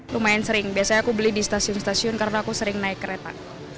lumayan sering biasanya aku beli di stasiun stasiun karena aku sering naik kereta